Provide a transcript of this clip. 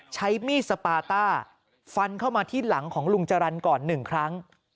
ใช้มีดสปาต้าฟันเข้ามาที่หลังของลุงจรรย์ก่อน๑ครั้ง